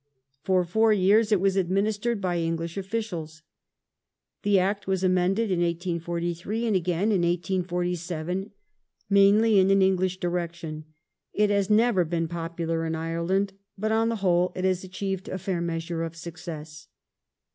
For four years it was administered by English officials. The Act was amended in 1843, and again in 1847, mainly in an English direction. It has never been popular in Ireland ; but on the whole it has achieved a fair measure of success.